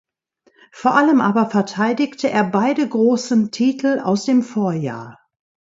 Vor allem aber verteidigte er beide großen Titel aus dem Vorjahr.